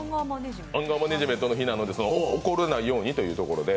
アンガーマネジメントの日なので怒らないようにということで。